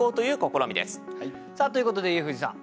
ということで家藤さん